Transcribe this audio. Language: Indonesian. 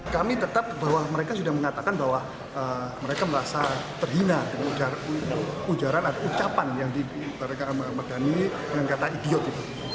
kami tetap bahwa mereka sudah mengatakan bahwa mereka merasa terhina dengan ujaran atau ucapan yang diberikan ahmad dhani dengan kata idiot